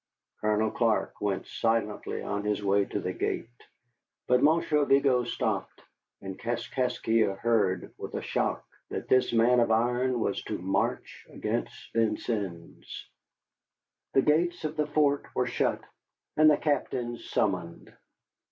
Colonel Clark went silently on his way to the gate; but Monsieur Vigo stopped, and Kaskaskia heard, with a shock, that this man of iron was to march against Vincennes. The gates of the fort were shut, and the captains summoned.